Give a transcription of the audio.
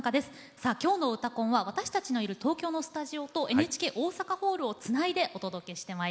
さあ今日の「うたコン」は私たちのいる東京のスタジオとＮＨＫ大阪ホールをつないでお届けしてまいります。